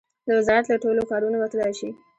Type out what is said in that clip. د وزارت له ټولو کارونو وتلای شي.